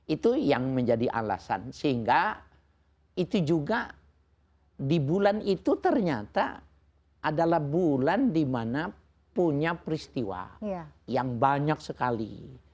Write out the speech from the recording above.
itu yang menjadi alasan sehingga itu juga di bulan itu ternyata adalah bulan di mana punya peristiwa yang banyak sekali